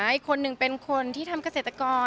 อีกคนหนึ่งเป็นคนที่ทำเกษตรกร